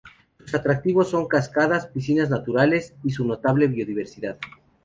Sus atractivos son sus cascadas, piscinas naturales, y su notable biodiversidad.